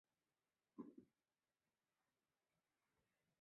领章军衔佩戴于作训服。